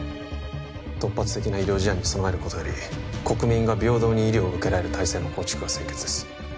突発的な医療事案に備えることより国民が平等に医療を受けられる体制の構築が先決です